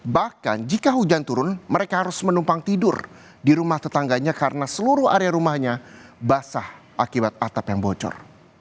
bahkan jika hujan turun mereka harus menumpang tidur di rumah tetangganya karena seluruh area rumahnya basah akibat atap yang bocor